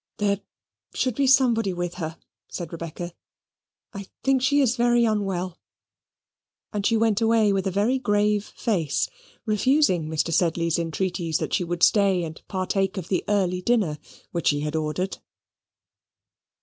"There should be somebody with her," said Rebecca. "I think she is very unwell": and she went away with a very grave face, refusing Mr. Sedley's entreaties that she would stay and partake of the early dinner which he had ordered.